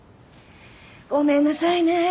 ごめんなさいね